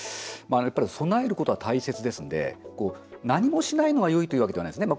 やっぱり備えることは大切ですんで何もしないのがよいというわけではないですね。